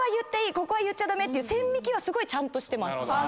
ここは言っちゃ駄目っていう線引きはすごいちゃんとしてます。